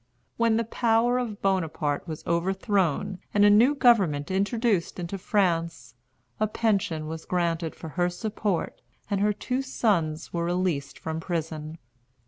When the power of Bonaparte was overthrown, and a new government introduced into France, a pension was granted for her support, and her two sons were released from prison.